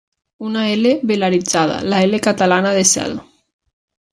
Una ela velaritzada: la ela catalana de 'cel'.